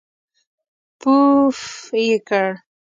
پووووووفففف یې کړ.